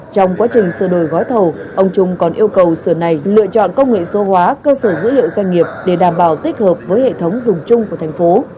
trong quá trình sửa đổi gói thầu ông trung còn yêu cầu sở này lựa chọn công nghệ số hóa cơ sở dữ liệu doanh nghiệp để đảm bảo tích hợp với hệ thống dùng chung của thành phố